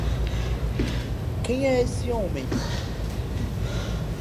Quem é esse homem?